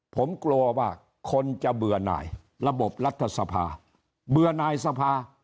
ผมกลัวว่าคนจะเบื่อหน่ายระบบรัฐสภาเบื่อนายสภา